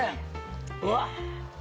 うわっ！